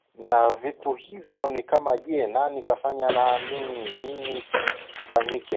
Na vitu hivyo ni kama Je nani kafanya na ni nini kimefanyika